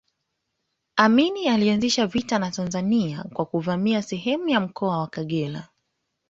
Amin alianzisha vita na Tanzania kwa kuvamia sehemu za mkoa wa Kagera